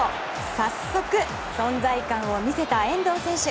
早速、存在感を見せた遠藤選手。